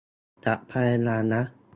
จะพยายามนะ